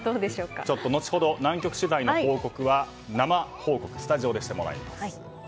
後ほど南極取材の報告は生報告スタジオでしてもらいます。